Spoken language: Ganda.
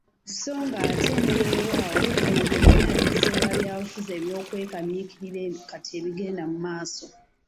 So ng’ate ne Weewaawo bino byonna bizze lwa byabufuzi eby’okwekaniikirira kati ebigenda mu maaso.